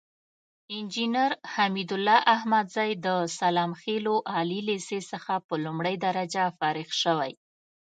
انجينر حميدالله احمدزى د سلام خيلو عالي ليسې څخه په لومړۍ درجه فارغ شوى.